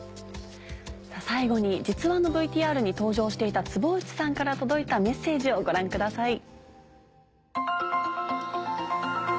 最後に実話のＶＴＲに登場していた坪内さんから届いたメッセージをご覧ください。